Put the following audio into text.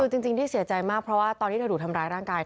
จริงที่เสียใจมากเพราะว่าตอนที่เธอถูกทำร้ายร่างกาย